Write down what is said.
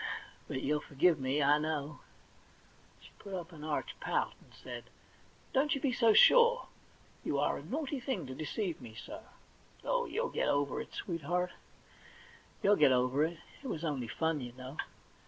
But you'll forgive me, I know.' She put up an arch pout, and said :* Don't you be so sure. You are a naughty thing to deceive me so !' *0h, you'll get over it, sweetheart, you'll get over it ; it was only fun, you know.